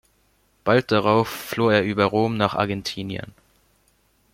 Bald darauf floh er über Rom nach Argentinien.